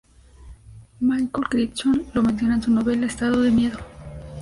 Michael Crichton lo menciona en su novela "Estado de miedo".